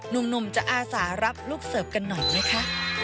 หนุ่มจะอาสารับลูกเสิร์ฟกันหน่อยไหมคะ